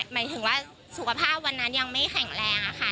หมายถึงว่าสุขภาพวันนั้นยังไม่แข็งแรงค่ะ